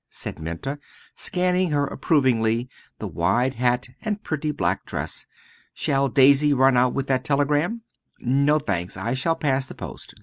said Minta, scanning her approvingly the wide hat and pretty black dress. "Shall Daisy run out with that telegram?" "No, thanks. I shall pass the post.